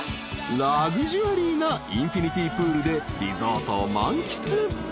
［ラグジュアリーなインフィニティプールでリゾートを満喫！］